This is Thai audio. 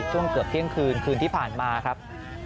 ช่วงเกือบเที่ยงคืนคืนที่ผ่านมาครับ